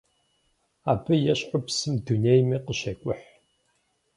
Абы ещхьу псым дунейми къыщекӀухь.